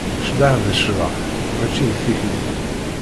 Cḍeh d ccḍeḥ, mačči d tikli.